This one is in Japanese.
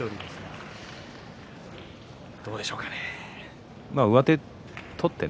どうでしょうか？